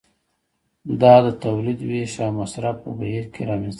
دا د تولید د ویش او مصرف په بهیر کې رامنځته کیږي.